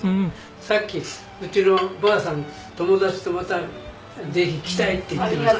さっきうちのばあさんが友達とまたぜひ来たいって言ってました。